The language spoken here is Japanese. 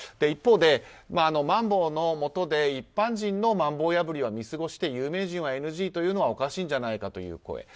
一方で、まん防のもとで一般人のまん防破りは見過ごして、有名人はＮＧというのはおかしいんじゃないかという声。